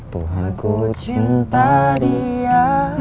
tuhan ku cinta dia